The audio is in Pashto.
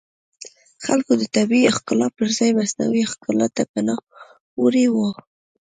خلکو د طبیعي ښکلا پرځای مصنوعي ښکلا ته پناه وړې وه